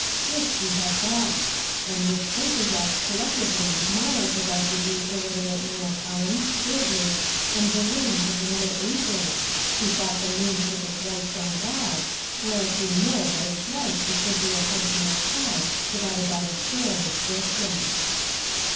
This we have got. And this places us collectively miles above the rude il literate men of arms, burghers, and villeins of the middle ages who thought the moon took its light from God, whereas we know that its light is simply a function of ir divided by the square of its distance.